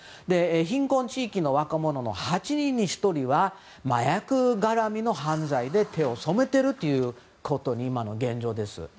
貧困地域の若者の８人に１人は麻薬絡みの犯罪に手を染めているということが今の現状です。